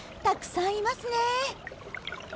たくさんいますね。